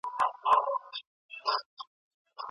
د بې وزلو کورنیو مرسته د هر وګړي انساني وجیبه ده.